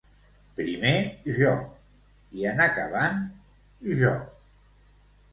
Primer jo, i en acabant... jo.